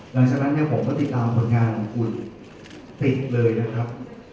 หลังจากนั้นเนี่ยผมก็ติดตามผลงานของคุณติดเลยนะครับ